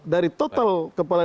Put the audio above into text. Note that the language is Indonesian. dari total kepala